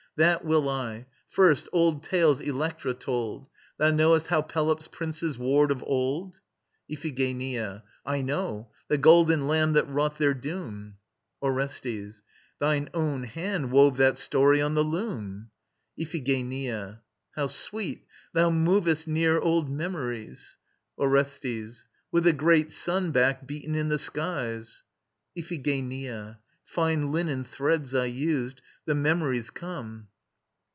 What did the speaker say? That will I. First, old tales Electra told. Thou knowest how Pelops' princes warred of old? IPHIGENIA. I know: the Golden Lamb that wrought their doom. ORESTES. Thine own hand wove that story on the loom... IPHIGENIA. How sweet! Thou movest near old memories. ORESTES. With a great Sun back beaten in the skies. IPHIGENIA. Fine linen threads I used. The memories come.